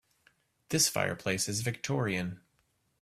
This fireplace is Victorian.